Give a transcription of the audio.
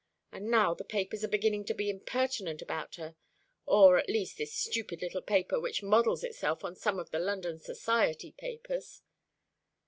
And now the papers are beginning to be impertinent about her or, at least, this stupid little paper, which models itself on some of the London society papers."